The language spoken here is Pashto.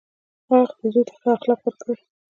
هغې خپل زوی ته ښه اخلاق ورکړی